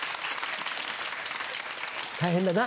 大変だな。